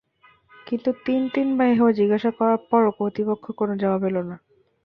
কিন্তু তিন তিনবার এভাবে জিজ্ঞাসা করার পরও প্রতিপক্ষ থেকে কোন জবাব এলোনা।